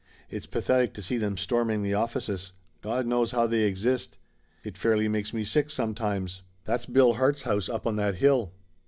It's pathetic to see them storming the of fices. God knows how they exist. It fairly makes me sick, sometimes. That's Bill Hart's house up on that hill."